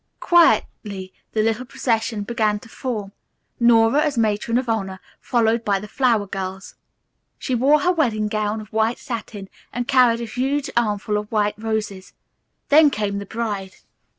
Quietly the little procession began to form. Nora, as matron of honor, followed the flower girls. She wore her wedding gown of white satin, and carried a huge armful of white roses. Then came the bride.